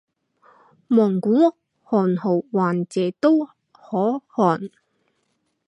蒙古汗号完泽笃可汗。